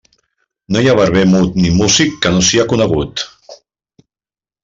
No hi ha barber mut ni músic que no sia conegut.